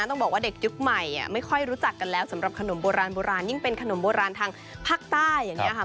ต้องบอกว่าเด็กยุคใหม่ไม่ค่อยรู้จักกันแล้วสำหรับขนมโบราณโบราณยิ่งเป็นขนมโบราณทางภาคใต้อย่างนี้ค่ะ